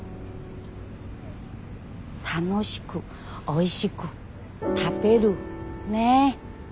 楽しくおいしく食べる。ね。